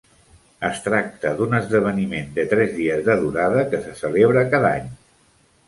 Es tracta d'un esdeveniment de tres dies de durada que se celebra cada any.